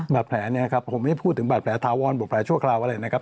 บาดแผลผมไม่พูดถึงบาดแผลทาวรบาดแผลชั่วคราวอะไรนะครับ